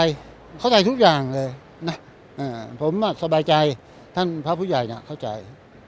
เข้าใจทุกอย่างเลยนะผมสบายใจท่านพระผู้ใหญ่เข้าใจ